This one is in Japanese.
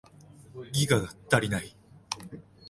ギガが足りない